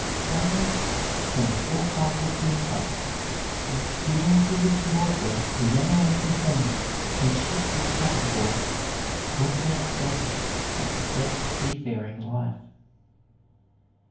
Samuel's "From the Forecastle to the Cabin." The experiences of the author who ran away from home and shipped as cabin boy; points out dangers that beset a seafaring life.